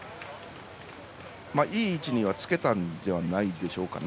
いい位置にはつけたのではないでしょうかね。